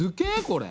これ。